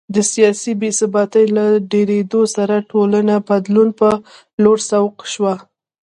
د سیاسي بې ثباتۍ له ډېرېدو سره ټولنه بدلون په لور سوق شوه